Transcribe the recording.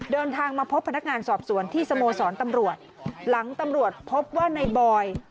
เดินทางมาพบพนักงานสอบสวนที่สโมสรตำรวจหลังตำรวจพบว่าในบอย